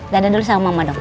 dada dulu sama mama dong